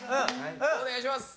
お願いします！